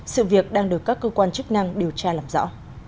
sự việc đang được các cơ quan chức năng điều tra làm rõ